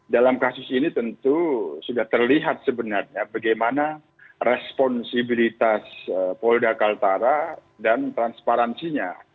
dalam kasus ini tentu sudah terlihat sebenarnya bagaimana responsibilitas polda kaltara dan transparansinya